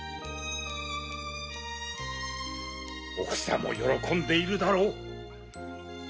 おふさも喜んでいるだろう！